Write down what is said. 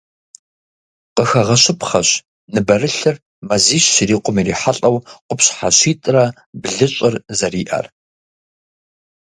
Къыхэгъэщыпхъэщ ныбэрылъыр мазищ щрикъум ирихьэлӏэу къупщхьэ щитӏрэ блыщӏыр зэриӏэр.